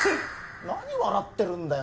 何笑ってるんだよ